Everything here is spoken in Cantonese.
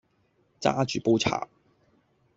揸住煲茶